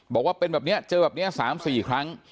บอกว่าเป็นแบบนี้เจอแบบนี้๓๔ครั้ง